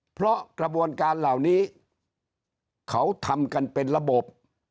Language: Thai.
เพราะกระบวนการเหล่านี้เขาทำกันเป็นระบบ